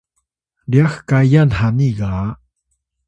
ryax kayan hani ga